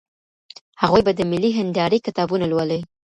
هغوی به د ملي هندارې کتابونه لولي.